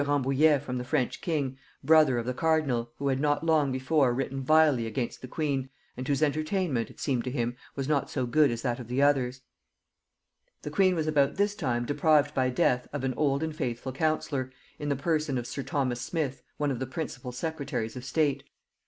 Rambouillet from the French king, brother of the cardinal, who had not long before written vilely against the queen, and whose entertainment, it seemed to him, was not so good as that of the others. [Note 82: "Illustrations," by Lodge, vol. ii. p. 187.] The queen was about this time deprived by death of an old and faithful counsellor, in the person of sir Thomas Smith one of the principal secretaries of state.